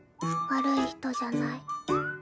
悪い人じゃない。